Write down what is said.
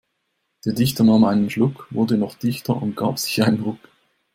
Der Dichter nahm einen Schluck, wurde noch dichter und gab sich einen Ruck.